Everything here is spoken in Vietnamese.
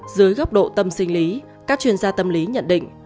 dưới góc độ tâm sinh lý các chuyên gia tâm lý nhận định